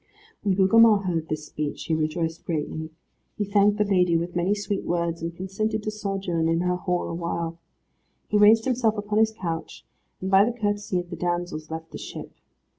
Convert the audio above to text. When Gugemar heard this speech he rejoiced greatly. He thanked the lady with many sweet words, and consented to sojourn in her hall awhile. He raised himself upon his couch, and by the courtesy of the damsels left the ship.